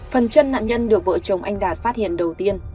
phần chân nạn nhân được vợ chồng anh đạt phát hiện đầu tiên